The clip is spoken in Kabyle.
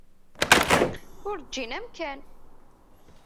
Ur ǧǧin amkan.